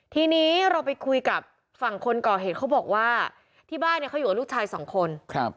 ทีนี้เราไปคุยกับฝั่งคนก่อเหตุเขาบอกว่าที่บ้านเนี่ยเขาอยู่กับลูกชายสองคนครับ